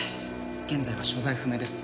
現在は所在不明です。